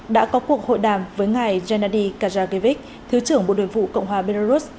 đã có cuộc hội đàm với ngài gennady kajakiewicz thứ trưởng bộ đội vụ cộng hòa belarus